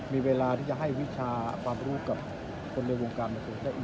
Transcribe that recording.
มีเวลาที่จะให้วิชาความรู้กับคนในวงการมันถึงมีเยอะเยอะได้